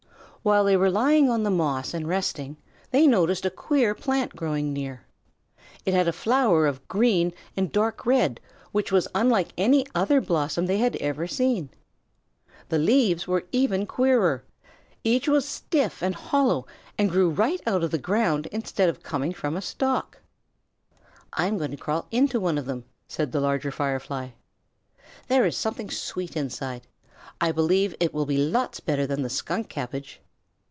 While they were lying on the moss and resting, they noticed a queer plant growing near. It had a flower of green and dark red which was unlike any other blossom they had ever seen. The leaves were even queerer. Each was stiff and hollow and grew right out of the ground instead of coming from a stalk. "I'm going to crawl into one of them," said the Larger Firefly. "There is something sweet inside. I believe it will be lots better than the skunk cabbage."